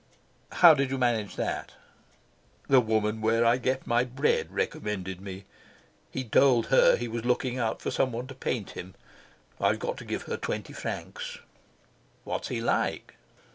"How did you manage that?" "The woman where I get my bread recommended me. He'd told her he was looking out for someone to paint him. I've got to give her twenty francs." "What's he like?"